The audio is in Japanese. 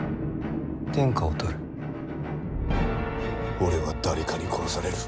俺は誰かに殺される。